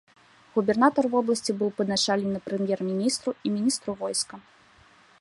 Губернатар вобласці быў падначалены прэм'ер-міністру і міністру войска.